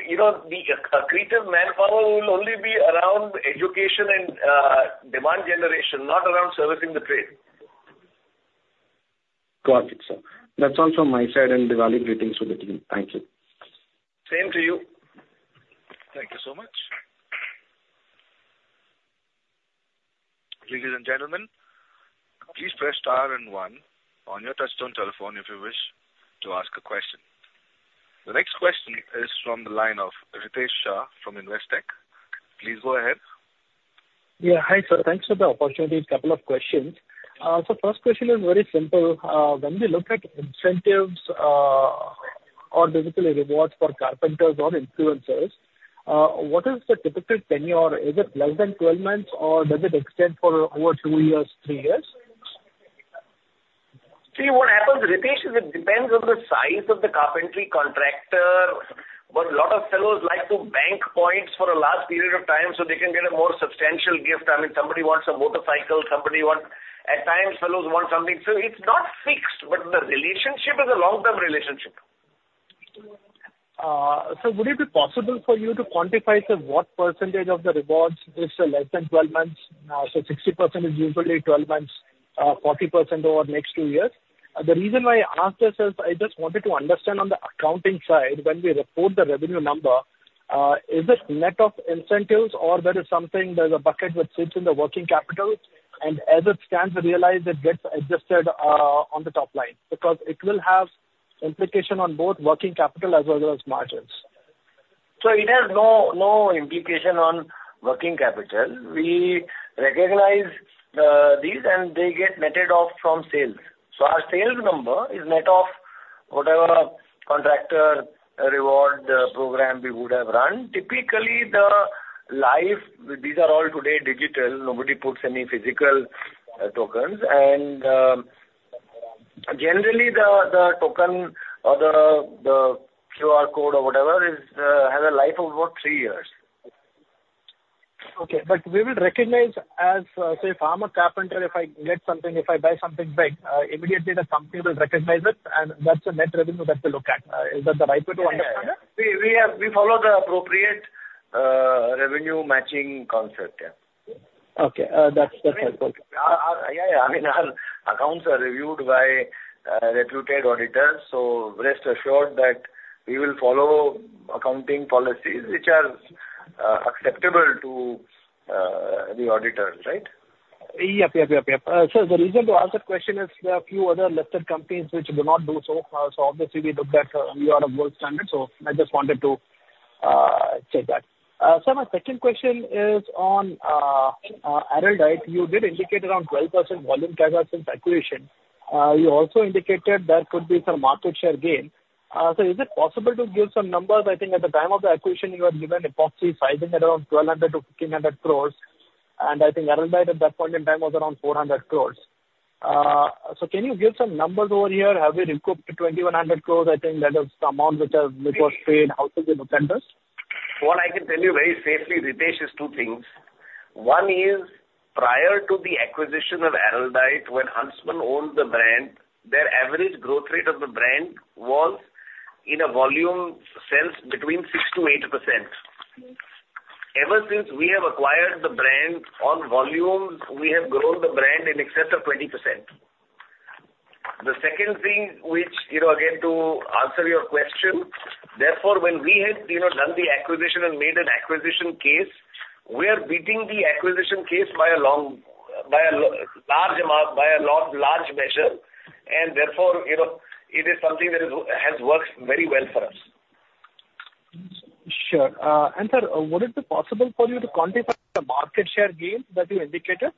you know, the accretive manpower will only be around education and demand generation, not around servicing the trade. Got it, sir. That's all from my side, and Diwali greetings to the team. Thank you. Same to you. Thank you so much. Ladies and gentlemen, please press * and one on your touchtone telephone if you wish to ask a question. The next question is from the line of Ritesh Shah from Investec. Please go ahead. Yeah. Hi, sir. Thanks for the opportunity. A couple of questions. First question is very simple. When we look at incentives, or basically rewards for carpenters or influencers, what is the typical tenure? Is it less than 12 months, or does it extend for over 2 years, 3 years? See, what happens, Ritesh, is, it depends on the size of the carpentry contractor, but a lot of fellows like to bank points for a large period of time, so they can get a more substantial gift. I mean, somebody wants a motorcycle, somebody wants... At times, fellows want something. So it's not fixed, but the relationship is a long-term relationship. Would it be possible for you to quantify, sir, what percentage of the rewards is less than 12 months? So 60% is usually 12 months, 40% over the next 2 years. The reason why I ask this is I just wanted to understand on the accounting side, when we report the revenue number, is it net of incentives or that is something there's a bucket which sits in the working capital, and as it stands to realize, it gets adjusted on the top line? Because it will have implication on both working capital as well as margins. So it has no, no implication on working capital. We recognize these, and they get netted off from sales. So our sales number is net of whatever contractor reward program we would have run. Typically, the life, these are all today digital. Nobody puts any physical tokens. And generally, the token or the QR code or whatever has a life of about three years. Okay. But we will recognize as, say, if I'm a carpenter, if I get something, if I buy something big, immediately, the company will recognize it, and that's the net revenue that we look at. Is that the right way to understand it? Yeah, yeah. We follow the appropriate revenue matching concept, yeah. Okay, that's, that's helpful. Yeah, yeah. I mean, our accounts are reviewed by reputed auditors, so rest assured that we will follow accounting policies which are acceptable to the auditors, right? Yep, yep, yep, yep. So the reason to ask that question is there are a few other listed companies which do not do so. So obviously, we looked at, you are of world standard, so I just wanted to check that. Sir, my second question is on Araldite. You did indicate around 12% volume cadence since acquisition. You also indicated there could be some market share gain. So is it possible to give some numbers? I think at the time of the acquisition, you had given epoxy sizing at around 1,200-1,500 crore, and I think Araldite at that point in time was around 400 crore. So can you give some numbers over here? Have we recouped 2,100 crore? I think that is the amount which has, which was paid. How does it look at this? What I can tell you very safely, Ritesh, is two things. One is, prior to the acquisition of Araldite, when Huntsman owned the brand, their average growth rate of the brand was, in volume sales, 6%-8%. Ever since we have acquired the brand on volume, we have grown the brand in excess of 20%. The second thing, which, you know, again, to answer your question, therefore, when we had, you know, done the acquisition and made an acquisition case, we are beating the acquisition case by a large amount, by a lot, large measure, and therefore, you know, it is something that is, has worked very well for us. Sure. And, sir, would it be possible for you to quantify the market share gain that you indicated?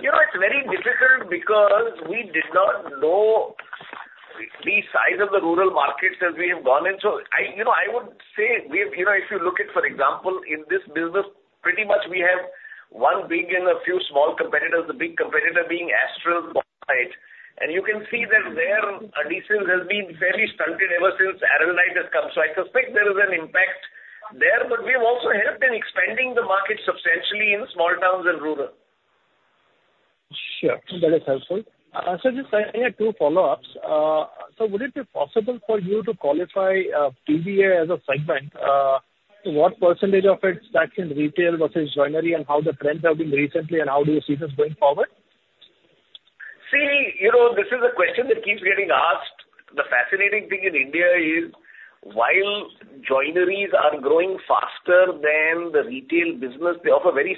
You know, it's very difficult because we did not know the size of the rural markets that we have gone into. I, you know, I would say we've, you know, if you look at, for example, in this business, pretty much we have one big and a few small competitors, the big competitor being Astral Poly, and you can see that their adhesives has been fairly stunted ever since Araldite has come. So I suspect there is an impact there, but we have also helped in expanding the market substantially in small towns and rural. Sure. That is helpful. So just I had two follow-ups. So would it be possible for you to qualify PVA as a segment? What percentage of it stacks in retail versus joinery, and how the trends have been recently, and how do you see this going forward? See, you know, this is a question that keeps getting asked. The fascinating thing in India is, while joineries are growing faster than the retail business, they offer very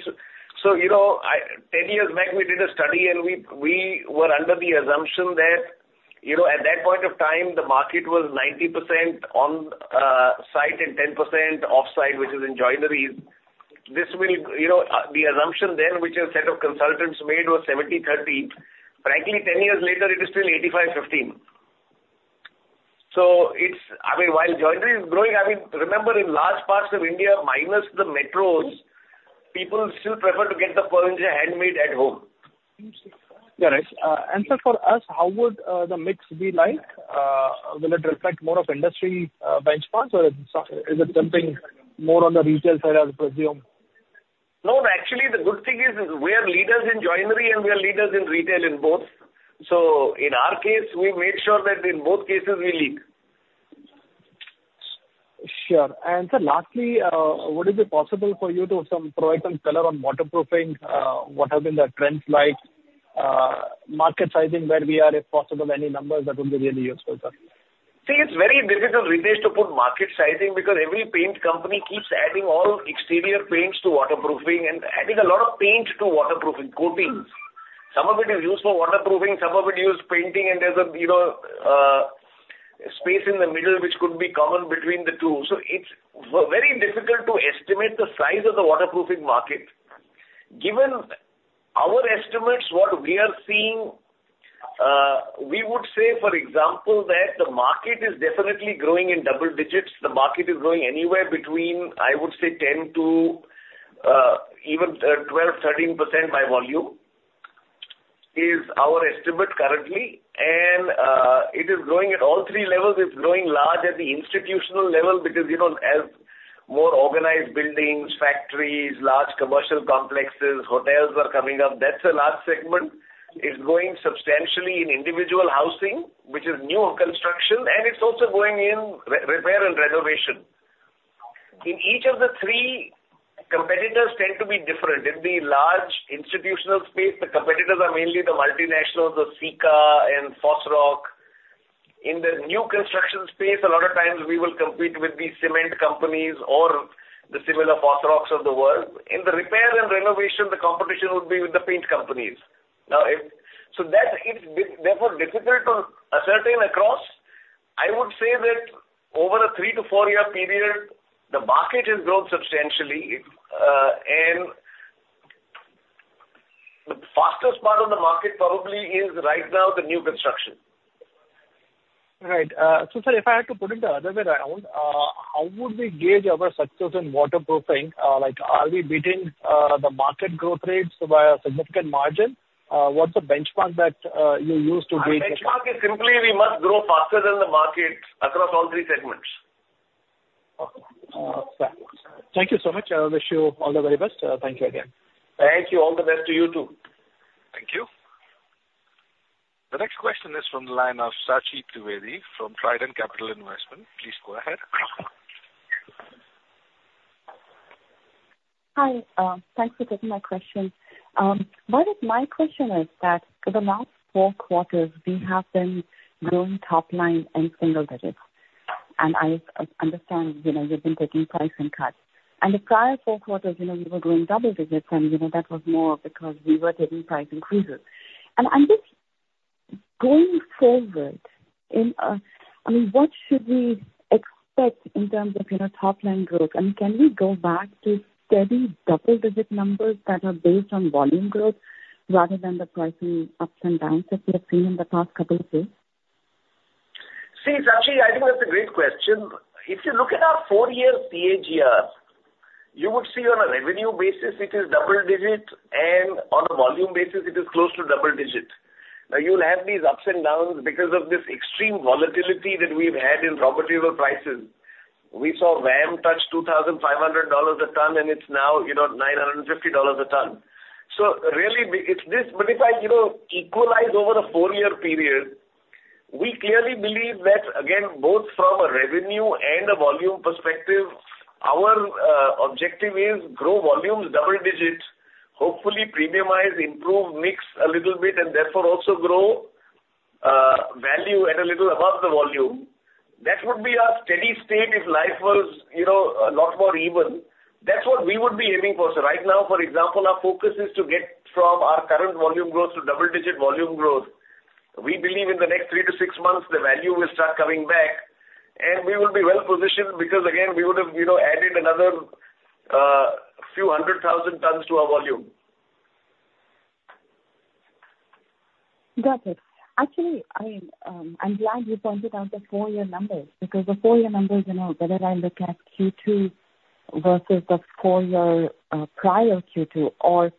so, you know, I, ten years back, we did a study, and we, we were under the assumption that, you know, at that point of time, the market was 90% on-site and 10% off-site, which is in joineries. This will, you know, the assumption then, which a set of consultants made, was 70-30. Frankly, ten years later, it is still 85-15. So it's... I mean, while joinery is growing, I mean, remember, in large parts of India, minus the metros, people still prefer to get the furniture handmade at home. Yeah, right. And, sir, for us, how would the mix be like? Will it reflect more of industry benchmarks, or is it something more on the retail side, I'll presume? No, actually, the good thing is we are leaders in joinery, and we are leaders in retail in both. So in our case, we make sure that in both cases, we lead. Sure. And sir, lastly, would it be possible for you to provide some color on waterproofing? What have been the trends like, market sizing, where we are, if possible, any numbers, that would be really useful, sir. See, it's very difficult, Ritesh, to put market sizing, because every paint company keeps adding all exterior paints to waterproofing and adding a lot of paint to waterproofing coatings. Some of it is used for waterproofing, some of it used painting, and there's a, you know, space in the middle which could be common between the two. So it's very difficult to estimate the size of the waterproofing market. Given our estimates, what we are seeing, we would say, for example, that the market is definitely growing in double digits. The market is growing anywhere between, I would say, 10% to even 12, 13% by volume, is our estimate currently. It is growing at all three levels. It's growing largely at the institutional level because, you know, as more organized buildings, factories, large commercial complexes, hotels are coming up, that's a large segment. It's growing substantially in individual housing, which is new construction, and it's also growing in repair and renovation. In each of the three, competitors tend to be different. In the large institutional space, the competitors are mainly the multinationals, the Sika and Fosroc. In the new construction space, a lot of times we will compete with the cement companies or the similar Fosrocs of the world. In the repair and renovation, the competition would be with the paint companies. Now, so therefore it's difficult to ascertain across. I would say that over a 3-4-year period, the market has grown substantially. And the fastest part of the market probably is right now, the new construction. Right. So, sir, if I had to put it the other way around, how would we gauge our success in waterproofing? Like, are we beating the market growth rates by a significant margin? What's the benchmark that you use to gauge? Our benchmark is simply we must grow faster than the market across all three segments. Okay. Thank you so much. I wish you all the very best. Thank you again. Thank you. All the best to you, too. Thank you. The next question is from the line of Sachee Trivedi from Trident Capital Investment. Please go ahead. Hi. Thanks for taking my question. What is my question is that for the last four quarters, we have been growing top line in single digits, and I understand, you know, you've been taking pricing cuts. The prior four quarters, you know, we were growing double digits, and, you know, that was more because we were taking price increases. I guess going forward, in, I mean, what should we expect in terms of, you know, top-line growth? And can we go back to steady double-digit numbers that are based on volume growth rather than the pricing ups and downs that we have seen in the past couple of years? See, Sachi, I think that's a great question. If you look at our four-year CAGR, you would see on a revenue basis, it is double digits, and on a volume basis, it is close to double digits. Now, you'll have these ups and downs because of this extreme volatility that we've had in raw material prices. We saw VAM touch $2,500 a ton, and it's now, you know, $950 a ton. So really, we, if this, but if I, you know, equalize over a four-year period, we clearly believe that, again, both from a revenue and a volume perspective, our objective is grow volumes double digits, hopefully premiumize, improve mix a little bit, and therefore also grow value at a little above the volume. That would be our steady state if life was, you know, a lot more even. That's what we would be aiming for. So right now, for example, our focus is to get from our current volume growth to double-digit volume growth. We believe in the next 3-6 months, the value will start coming back, and we will be well positioned because, again, we would have, you know, added another few hundred thousand tons to our volume. Got it. Actually, I, I'm glad you pointed out the four-year numbers, because the four-year numbers, you know, whether I look at Q2 versus the four-year prior Q2 or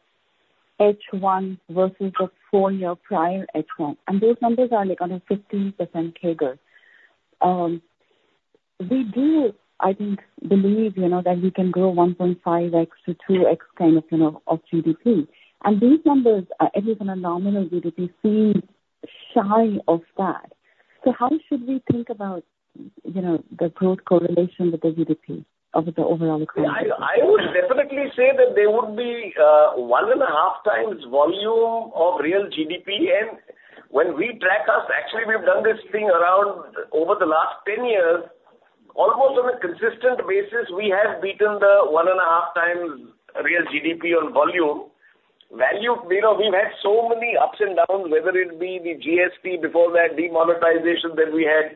H1 versus the four-year prior H1, and those numbers are like on a 15% CAGR. We do, I think, believe, you know, that we can grow 1.5x to 2x kind of, you know, of GDP. And these numbers are, even on a nominal GDP, seem shy of that. So how should we think about, you know, the growth correlation with the GDP of the overall economy? I would definitely say that there would be 1.5 times volume of real GDP. And when we track us, actually, we've done this thing around over the last 10 years. Almost on a consistent basis, we have beaten the 1.5 times real GDP on volume. Value, you know, we've had so many ups and downs, whether it be the GST, before that, demonetization, then we had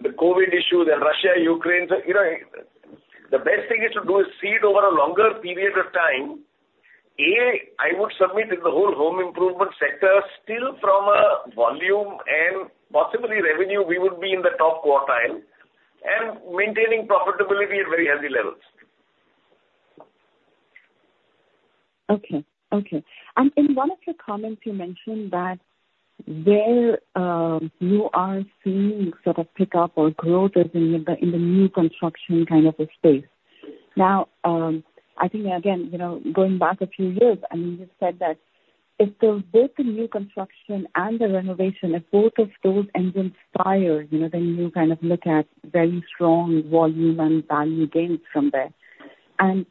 the COVID issue, then Russia, Ukraine. So, you know, the best thing is to do is see it over a longer period of time. I would submit that the whole home improvement sector, still from a volume and possibly revenue, we would be in the top quartile, and maintaining profitability at very healthy levels. Okay. Okay. In one of your comments, you mentioned that where you are seeing sort of pick up or growth is in the new construction kind of a space. Now, I think, again, you know, going back a few years, I mean, you said that if both the new construction and the renovation, if both of those engines fire, you know, then you kind of look at very strong volume and value gains from there. And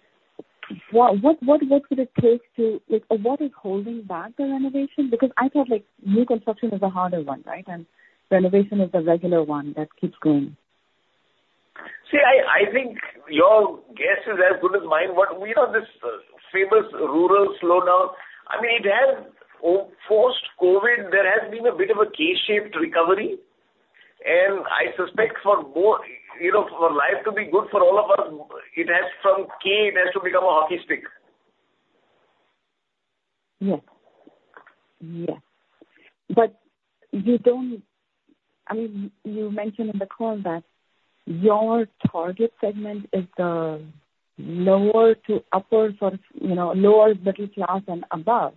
what would it take to... Like, what is holding back the renovation? Because I thought, like, new construction is a harder one, right? And renovation is the regular one that keeps growing. See, I think your guess is as good as mine, but we know this famous rural slowdown. I mean, it has post-COVID, there has been a bit of a K-shaped recovery. And I suspect for more, you know, for life to be good for all of us, it has some key, it has to become a hockey stick. Yes. Yeah. But you don't—I mean, you mentioned in the call that your target segment is the lower to upper, sort of, you know, lower middle class and above.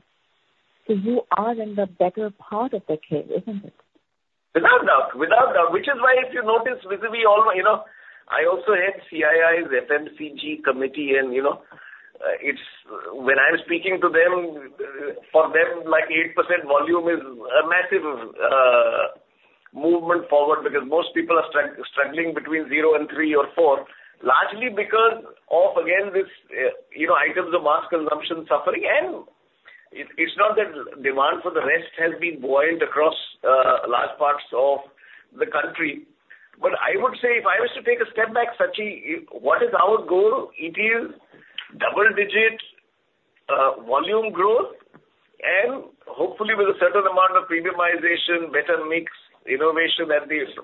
So you are in the better part of the cave, isn't it? Without doubt, without doubt, which is why, if you notice, vis-a-vis all my, you know, I also head CII's FMCG committee, and, you know, it's when I'm speaking to them, for them, like, 8% volume is a massive movement forward, because most people are struggling between zero and three or four, largely because of, again, this, you know, items of mass consumption suffering. And it, it's not that demand for the rest has been buoyant across large parts of the country. But I would say, if I was to take a step back, Sachi, what is our goal? It is double digit volume growth and hopefully with a certain amount of premiumization, better mix, innovation,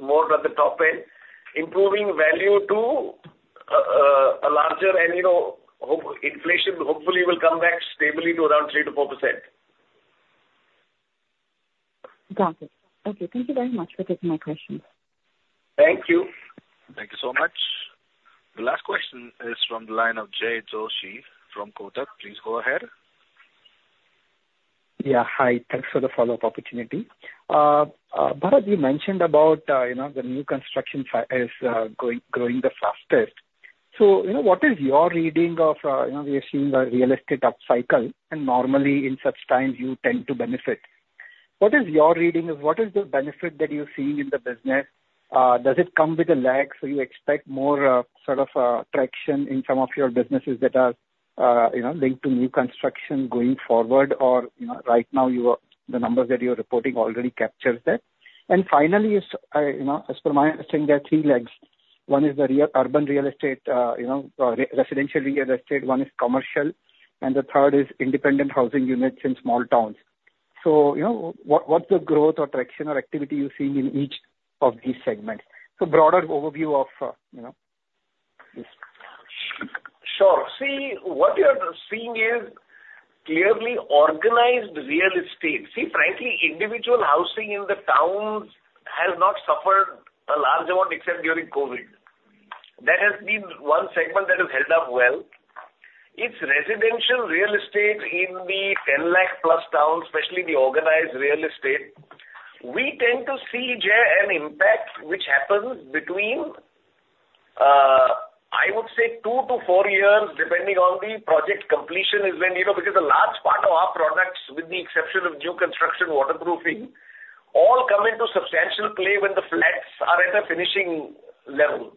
more at the top end, improving value to a larger and, you know, inflation hopefully will come back stably to around 3%-4%. Got it. Okay, thank you very much for taking my question. Thank you. Thank you so much. The last question is from the line of Jay Doshi from Kotak. Please go ahead. Yeah, hi. Thanks for the follow-up opportunity. Bharat, you mentioned about, you know, the new construction field is growing the fastest. So, you know, what is your reading of, you know, we are seeing a real estate upcycle, and normally in such times, you tend to benefit. What is your reading of what is the benefit that you're seeing in the business? Does it come with a lag, so you expect more, sort of, traction in some of your businesses that are, you know, linked to new construction going forward? Or, you know, right now, you are—the numbers that you are reporting already captures that. And finally, as, you know, as per my understanding, there are three legs. One is the urban real estate, you know, residential real estate, one is commercial, and the third is independent housing units in small towns. So, you know, what's the growth or traction or activity you're seeing in each of these segments? So broader overview of, you know, this. Sure. See, what we are seeing is clearly organized real estate. See, frankly, individual housing in the towns has not suffered a large amount except during COVID. That has been one segment that has held up well. It's residential real estate in the 10 lakh plus towns, especially the organized real estate. We tend to see, Jay, an impact which happens between, I would say 2-4 years, depending on the project completion, is when, you know, because a large part of our products, with the exception of new construction waterproofing, all come into substantial play when the flats are at a finishing level.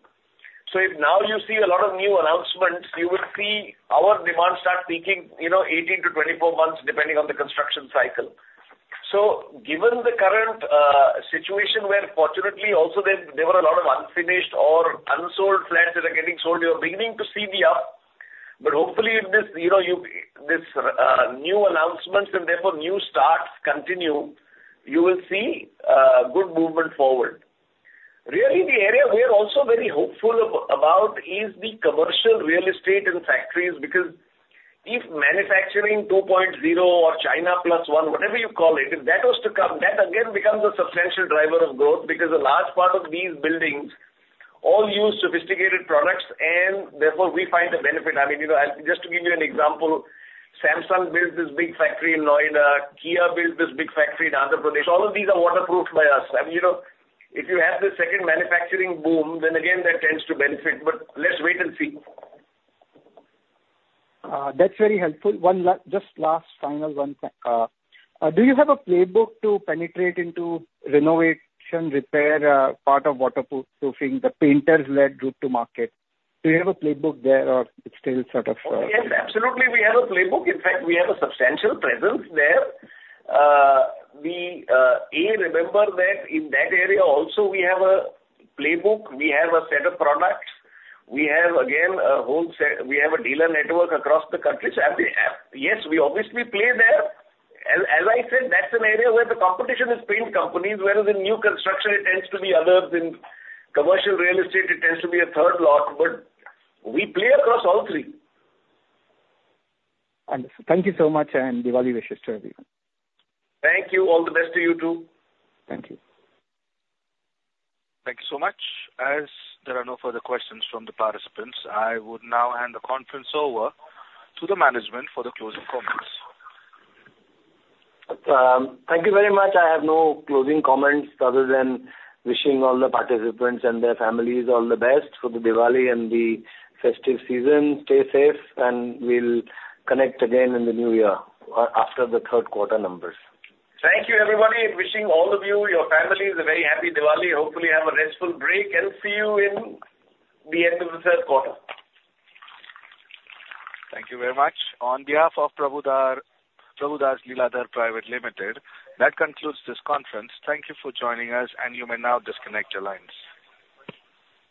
So if now you see a lot of new announcements, you will see our demand start peaking, you know, 18-24 months, depending on the construction cycle. So given the current situation, where fortunately also there, there were a lot of unfinished or unsold flats that are getting sold, you're beginning to see the up. But hopefully, if this, you know, you, this new announcements and therefore new starts continue, you will see good movement forward. Really, the area we are also very hopeful about is the commercial real estate and factories, because if manufacturing 2.0 or China plus one, whatever you call it, if that was to come, that again becomes a substantial driver of growth because a large part of these buildings all use sophisticated products, and therefore we find the benefit. I mean, you know, I'll just to give you an example, Samsung built this big factory in Noida, Kia built this big factory in Andhra Pradesh. All of these are waterproofed by us. I mean, you know, if you have the second manufacturing boom, then again, that tends to benefit. But let's wait and see. That's very helpful. Just one last, final thing. Do you have a playbook to penetrate into renovation, repair, part of waterproof roofing, the painters-led route to market? Do you have a playbook there, or it's still sort of, Yes, absolutely, we have a playbook. In fact, we have a substantial presence there. Remember that in that area also we have a playbook, we have a set of products, we have, again, a whole set—we have a dealer network across the country. So yes, we obviously play there. As, as I said, that's an area where the competition is paint companies, whereas in new construction it tends to be others, in commercial real estate, it tends to be a third lot, but we play across all three. Understood. Thank you so much, and Diwali wishes to everyone. Thank you. All the best to you, too. Thank you. Thank you so much. As there are no further questions from the participants, I would now hand the conference over to the management for the closing comments. Thank you very much. I have no closing comments, other than wishing all the participants and their families all the best for the Diwali and the festive season. Stay safe, and we'll connect again in the new year or after the third quarter numbers. Thank you, everybody, and wishing all of you, your families, a very happy Diwali. Hopefully, have a restful break, and see you in the end of the third quarter. Thank you very much. On behalf of Prabhudas Lilladher Private Limited, that concludes this conference. Thank you for joining us, and you may now disconnect your lines.